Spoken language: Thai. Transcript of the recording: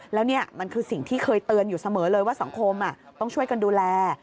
แล้วนี่มันคือสิ่งที่เคยเตือนอยู่เสมอเลยว่าสังคมต้องช่วยกันดูแล